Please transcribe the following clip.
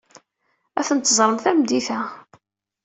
Ad ten-teẓrem tameddit-a.